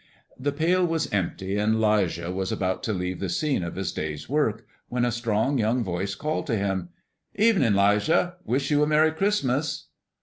The pail was empty, and 'Lijah was about to leave the scene of his day's work, when a strong, young voice called to him. "Evening, 'Lijah. Wish you a Merry Christmas!"